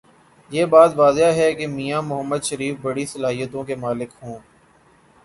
یہ بات واضح ہے کہ میاں محمد شریف بڑی صلاحیتوں کے مالک ہوں۔